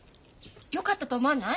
よかったと思わない？